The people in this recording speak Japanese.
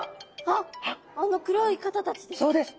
あっあの黒い方たちです。